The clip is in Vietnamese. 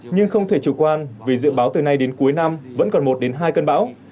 nhưng không thể chủ quan vì dự báo từ nay đến cuối năm vẫn còn một đến hai cơn bão